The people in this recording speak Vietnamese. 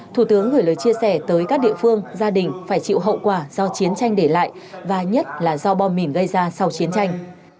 thủ tướng gửi lời chia sẻ tới các địa phương gia đình phải chịu hậu quả do chiến tranh để lại và nhất là do bom mìn gây ra sau chiến tranh